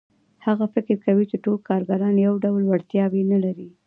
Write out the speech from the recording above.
هغه فکر کوي چې ټول کارګران یو ډول وړتیاوې نه لري